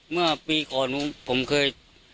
เมื่อปีก่อนผมเคย